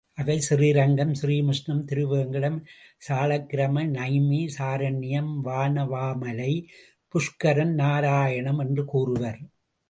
அவை ஸ்ரீரங்கம், ஸ்ரீமுஷ்ணம், திருவேங்கடம், ஸாளக்கிராமம், நைமி, சாரண்யம், வானவாமலை, புஷ்கரம், நாராயணம் என்றும் கூறுவர்.